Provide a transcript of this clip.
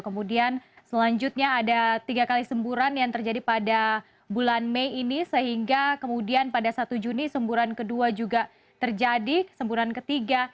kemudian selanjutnya ada tiga kali semburan yang terjadi pada bulan mei ini sehingga kemudian pada satu juni semburan kedua juga terjadi kesemburan ketiga